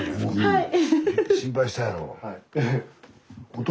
はい。